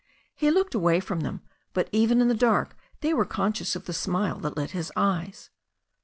He looked away from them, but even in the dark they were conscious of the smile that lit up his eyes.